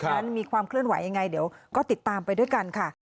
นั้นมีความเคลื่อนไหวยังไงเดี๋ยวก็ติดตามไปด้วยกันค่ะ